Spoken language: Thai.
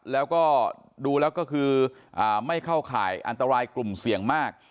แล้วก็ดูแล้วก็คือไม่เข้าข่ายอันตรายกลุ่มเสี่ยงมาก